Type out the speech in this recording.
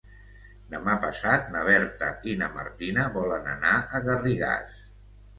Demà passat na Berta i na Martina volen anar a Garrigàs.